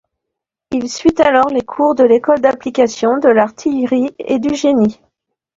Il suit alors les cours de l'école d'application de l'artillerie et du génie.